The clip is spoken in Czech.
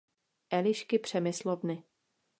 Elišky Přemyslovny.